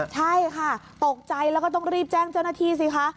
ใช่ค่ะตกใจแล้วก็ต้องรีบแจ้งเจ้าหน้าที่สิคะ